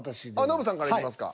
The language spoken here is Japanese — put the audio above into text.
ノブさんからいきますか。